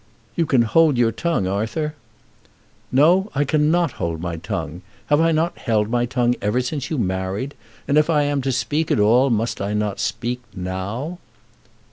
"You can hold your tongue, Arthur." "No; I cannot hold my tongue. Have I not held my tongue ever since you married? And if I am to speak at all, must I not speak now?"